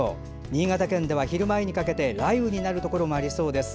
新潟県では昼前にかけて雷雨になるところもありそうです。